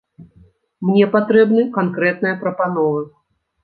Мне патрэбны канкрэтныя прапановы.